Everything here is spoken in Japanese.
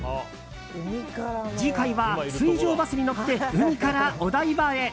次回は水上バスに乗って海からお台場へ。